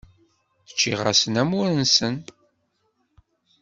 Ččiɣ-asen amur-nsen.